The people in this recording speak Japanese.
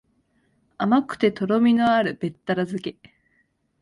甘くてとろみのあるべったら漬け